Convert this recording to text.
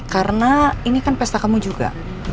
karena ini kan pesta kamu juga